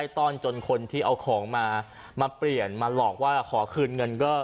ต้อนจนคนที่เอาของมามาเปลี่ยนมาหลอกว่าขอคืนเงินก็